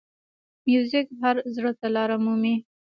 موزیک هر زړه ته لاره مومي.